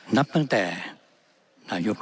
นับตั้งแต่นายุบันตรีไปถึงคณะบันตรีทุกทัน